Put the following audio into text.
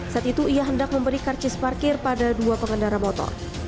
saat itu ia hendak memberi karcis parkir pada dua pengendara motor